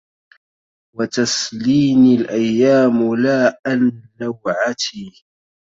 وتسليني الأيام لا أن لوعتي